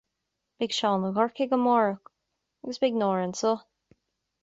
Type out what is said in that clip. beidh Seán i gCorcaigh amárach, agus beidh Nóra anseo